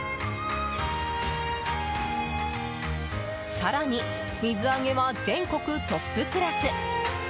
更に、水揚げは全国トップクラス。